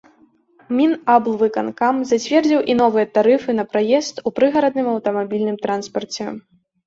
Мінаблвыканкам зацвердзіў і новыя тарыфы на праезд у прыгарадным аўтамабільным транспарце.